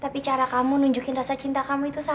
tapi cara kamu nunjukin rasa cinta kamu itu sama